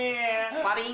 パリン。